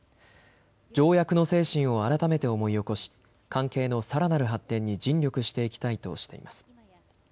条約の精神を改めて思い起こし関係のさらなる発展に尽力していきたいとしています。